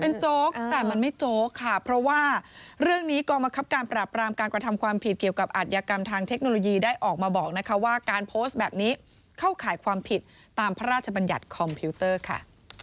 เป็นโจ๊กแต่มันไม่โจ๊กค่ะเพราะว่าเรื่องนี้กองบังคับการปราบรามการกระทำความผิดเกี่ยวกับอัธยากรรมทางเทคโนโลยีได้ออกมาบอกนะคะว่าการโพสต์แบบนี้เข้าข่ายความผิดตามพระราชบัญญัติคอมพิวเตอร์ค่ะ